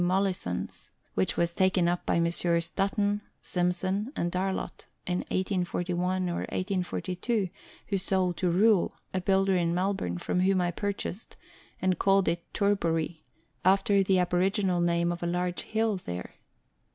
Mollison's, which was taken up by Messrs. Button, Simson, and Darlot in 1841 or 1842, who sold to Rule, a builder in Mel bourne, from whom I purchased, and called it Tourbouric, after the aboriginal name of a large hill there.